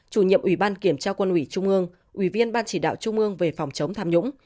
chủ nhiệm ủy ban kiểm tra quân ủy trung ương ủy viên ban chỉ đạo trung ương về phòng chống tham nhũng